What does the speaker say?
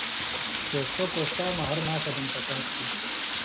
چے سو کوستاں مہ ہر ماݜاں دن پکار تُھو۔